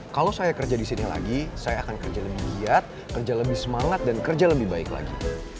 kalau saya kerja di sini lagi saya akan kerja lebih giat kerja lebih semangat dan kerja lebih baik lagi